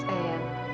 ya makasjalah mooi